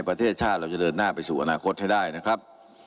ประเทศชาติเราจะเดินหน้าไปสู่อนาคตให้ได้นะครับ